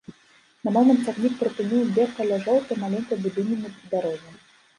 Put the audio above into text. На момант цягнік прыпыніў бег каля жоўтай, маленькай будыніны пры дарозе.